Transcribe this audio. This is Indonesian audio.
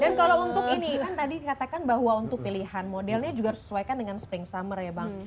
dan kalau untuk ini kan tadi katakan bahwa untuk pilihan modelnya juga harus disesuaikan dengan spring summer ya bang